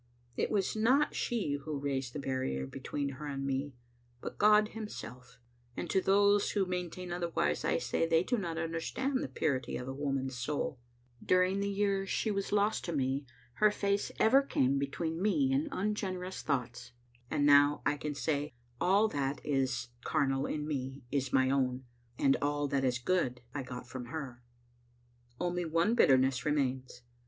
It was not she who raised the bairi«r Digitized by VjOOQ IC tCan of a Xittte Aai& lifis. between her and me, but God Himself; and to those who maintain otherwise, I say they do not understand the purity of a woman's soul. During the years sh^ was lost to me her face ever came between me and un generous thoughts ; and now I can say, all that is carnal in me is my own, and all that is good I got from her. Only one bitterness remains.